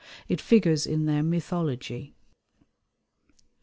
It figures in their mythology.